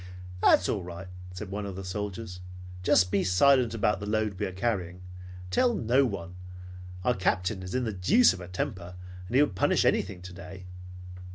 "That's all right," said one of the soldiers. "Just be silent about the load we are carrying. Tell no one. Our Captain is in the deuce of a temper. He would punish anything today."